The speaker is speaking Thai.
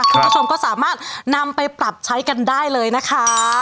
คุณผู้ชมก็สามารถนำไปปรับใช้กันได้เลยนะคะ